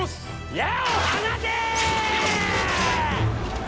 矢を放て！